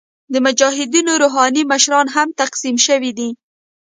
د مجاهدینو روحاني مشران هم تقسیم شوي دي.